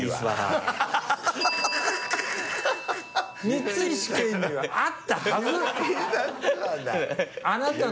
光石研にはあったはず！